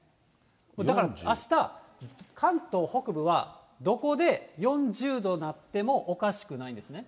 だからあした、関東北部は、どこで４０度になってもおかしくないんですね。